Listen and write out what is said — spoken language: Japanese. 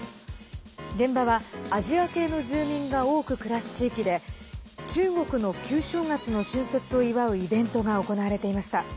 現場は、アジア系の住民が多く暮らす地域で中国の旧正月の春節を祝うイベントが行われていました。